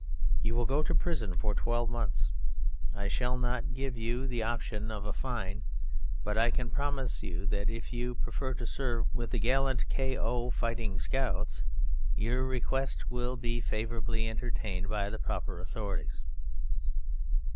You will go to prison for twelve months. I shall not give you the option of a fine: but I can promise you that if you prefer to serve with the gallant K. O. Fighting Scouts your request will be favourably entertained by the proper authorities."